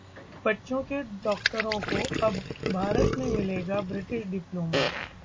बच्चों के डॉक्टरों को अब भारत में मिलेगा ब्रिटिश डिप्लोमा